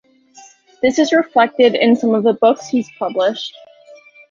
This is reflected in some of the books he published.